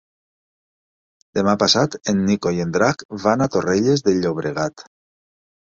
Demà passat en Nico i en Drac van a Torrelles de Llobregat.